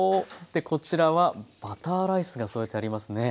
でこちらはバターライスが添えてありますね。